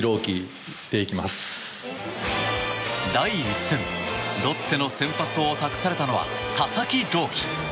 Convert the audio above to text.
第１戦、ロッテの先発を託されたのは佐々木朗希。